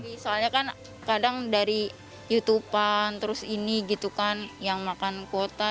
lebih soalnya kan kadang dari youtube an terus ini gitu kan yang makan kuota